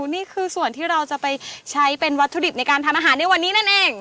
นี่คือส่วนที่เราจะไปใช้เป็นวัตถุดิบในการทำอาหารในวันนี้นั่นเอง